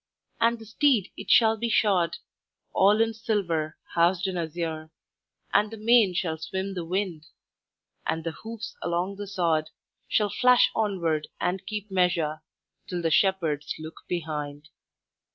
"And the steed it shall be shod All in silver, housed in azure; And the mane shall swim the wind; And the hoofs along the sod Shall flash onward and keep measure, Till the shepherds look behind.